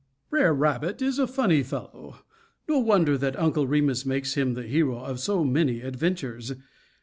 Br'er Rabbit is a funny fellow. No wonder that Uncle Remus makes him the hero of so many adventures!